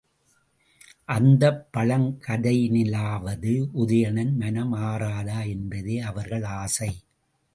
அந்தப் பழங்கதையினாலாவது உதயணன், மனம் ஆறாதா என்பதே அவர்கள் ஆசை!